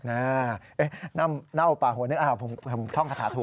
เอ๊ะเหน่าปลาหัวหนึ่งผมพร้อมคาถาถูก